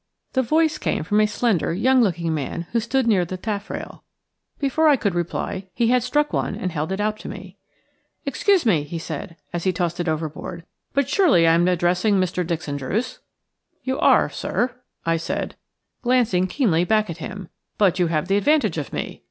The voice came from a slender, young looking man who stood near the taffrail. Before I could reply he had struck one and held it out to me. "Excuse me," he said, as he tossed it overboard, "but surely I am addressing Mr. Dixon Druce?" "You are, sir," I said, glancing keenly back at him, "but you have the advantage of me."